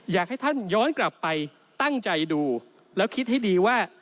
อยากให้ท่านย้อนกลับไปตั้งใจดูแล้วคิดให้ดีว่า